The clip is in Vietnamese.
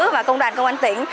và công đoàn công an tỉnh